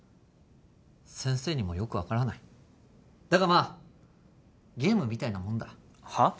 先生にもよく分からないだがまあゲームみたいなもんだはっ？